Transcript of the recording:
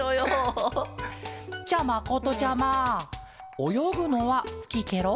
じゃまことちゃまおよぐのはすきケロ？